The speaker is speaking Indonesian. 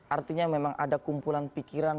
artinya memang ada kumpulan pikiran